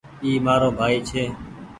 اي مآرو ڀآئي ڇي